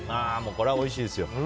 これはおいしいですよ。